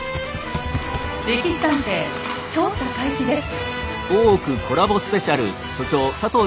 「歴史探偵」調査開始です。